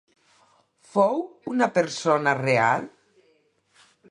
Fou una persona real?